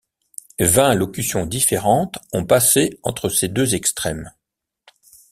Vingt locutions différentes ont passé entre ces deux extrêmes.